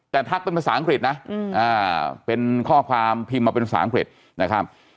แต่ทักเป็นภาษาอังกฤษนะเป็นข้อความพิมพ์มาเป็นภาษาอังกฤษนะครับ